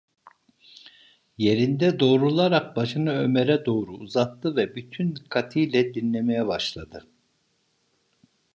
Yerinde doğrularak başını Ömer’e doğru uzattı ve bütün dikkatiyle dinlemeye başladı.